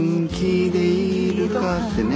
ってね。